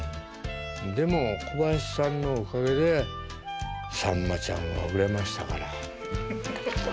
でも小林さんのおかげでさんまちゃんも売れましたから。